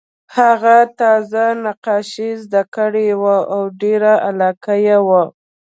هغه تازه نقاشي زده کړې وه او ډېره علاقه یې وه